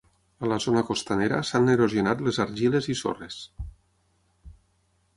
A la zona costanera s'han erosionat les argiles i sorres.